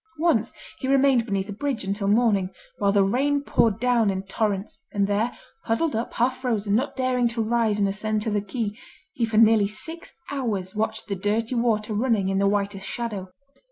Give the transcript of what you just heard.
Once he remained beneath a bridge, until morning, while the rain poured down in torrents; and there, huddled up, half frozen, not daring to rise and ascend to the quay, he for nearly six hours watched the dirty water running in the whitish shadow.